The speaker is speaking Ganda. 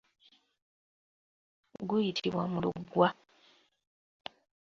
Guyitibwa mulugwa.